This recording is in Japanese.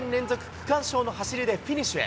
区間賞の走りでフィニッシュへ。